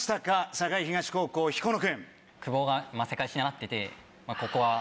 栄東高校彦野君。